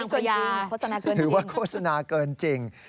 เป็นนางพญาโฆษณาเกินจริง